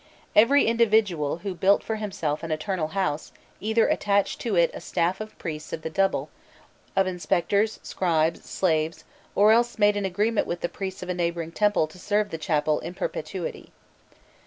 Every individual who built for himself an "eternal house," either attached to it a staff of priests of the double, of inspectors, scribes, and slaves, or else made an agreement with the priests of a neighbouring temple to serve the chapel in perpetuity.